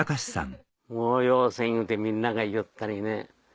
もうようせん言うてみんなが言いよったにね。